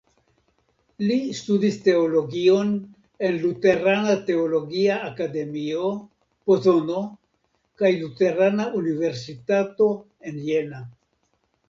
Li studis teologion en Luterana Teologia Akademio (Pozono) kaj luterana universitato en Jena.